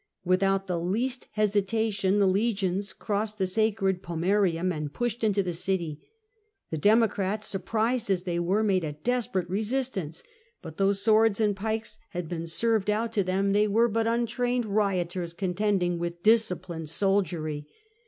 Without the least hesitation the legions crossed the sacred Pomoerium and pushed into the city. The Democrats, surprised as they were, made a desperate resistance ; but though swords and pikes had been served SULLA STORMS ROME 125 out} to them, they were but untrained rioters contending with disciplined soldiery.